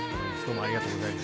ありがとうございます。